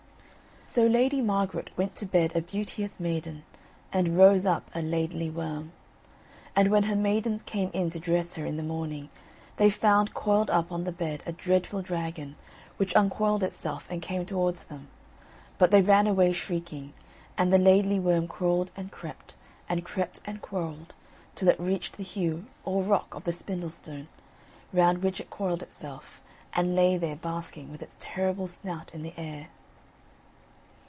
So Lady Margaret went to bed a beauteous maiden, and rose up a Laidly Worm. And when her maidens came in to dress her in the morning they found coiled up on the bed a dreadful dragon, which uncoiled itself and came towards them. But they ran away shrieking, and the Laidly Worm crawled and crept, and crept and crawled till it reached the Heugh or rock of the Spindlestone, round which it coiled itself, and lay there basking with its terrible snout in the air.